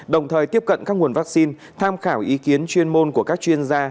đồng thời tiếp cận các nguồn vaccine tham khảo ý kiến chuyên môn của các chuyên gia